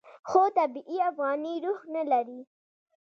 خو طبیعي افغاني روح نه لري.